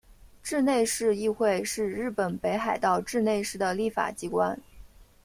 稚内市议会是日本北海道稚内市的立法机关。